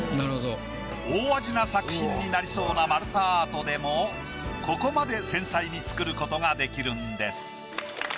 大味な作品になりそうな丸太アートでもここまで繊細に作ることができるんです。